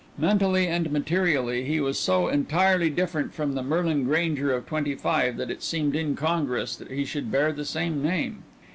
Mentally and materially he was so entirely different from the Merlin Grainger of twenty five that it seemed incongruous that he should bear the same name.